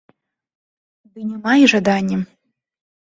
Ды няма і жадання.